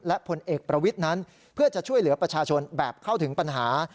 และผลเอกประวิทย์นั้นเพื่อจะช่วยเหลือประชาชนแบบเข้าถึงปัญหา